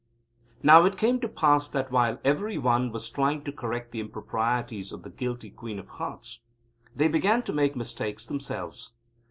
Now it came to pass that, while every one was trying to correct the improprieties of the guilty Queen of Hearts, they began to make mistakes themselves.